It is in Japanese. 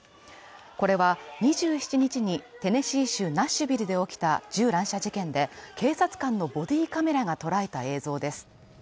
これは、２７日にテネシー州ナッシュビルで起きた銃乱射事件で、警察官のボディーカメラが捉えた映像です。